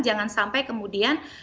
jangan sampai kemudian